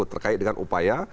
terkait dengan upaya